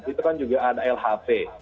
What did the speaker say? itu kan juga ada lhp